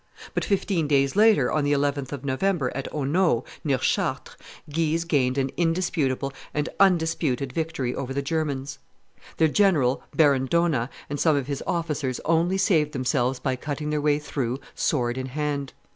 But fifteen days later, on the 11th of November, at Auneau, near Chartres, Guise gained an indisputable and undisputed victory over the Germans; and their general, Baron Dohna, and some of his officers only saved themselves by cutting their way through sword in hand.